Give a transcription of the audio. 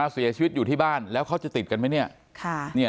เสียชีวิตอยู่ที่บ้านแล้วเขาจะติดกันไหมเนี่ย